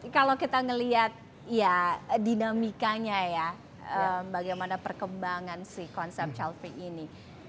kalau kita melihat dinamikanya ya bagaimana perkembangan si konsep chelfie ini